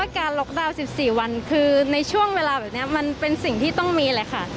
การล็อกดาวน์๑๔วันคือในช่วงเวลาแบบนี้มันเป็นสิ่งที่ต้องมีแหละค่ะ